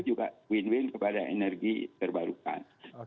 juga win win kepada energi terbarukan